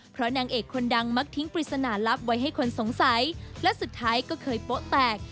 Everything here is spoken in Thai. เพราะนางเอกคนดังมักทิ้งปริศนาลับไว้ให้คนสงสัยและสุดท้ายก็เคยโป๊ะแตก